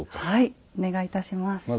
はいお願いいたします。